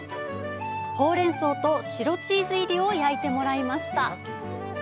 ホウレンソウと白チーズ入りを焼いてもらいました。